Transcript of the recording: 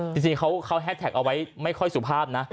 จริงเขาแฮสแท็กเอาไว้ไม่ค่อยสุภาพนะ